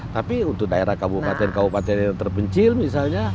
tapi untuk daerah kabupaten kabupaten yang terpencil misalnya